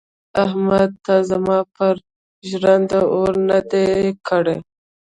احمده تا زما پر ژرنده اوړه نه دې کړي.